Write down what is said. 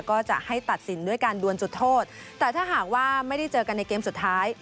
ก็จะให้ตัดสินด้วยการดวนจุดโทษแต่ถ้าหากว่าไม่ได้เจอกันในเกมสุดท้าย